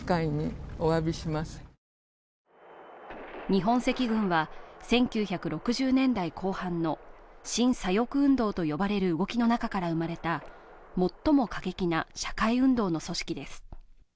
日本赤軍は１９６０年代後半の新左翼運動と呼ばれる動きの中から生まれた最も過激な社会運動の組織です。